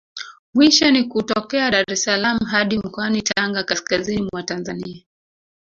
Mwisho ni kutokea Dar es salaam hadi mkoani Tanga kaskazini mwa Tanzania